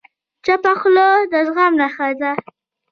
چپه خوله، د زغم نښه ده.